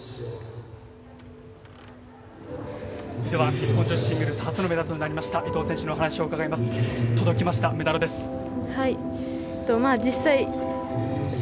日本女子シングルス初のメダルとなりました伊藤選手の話を伺います。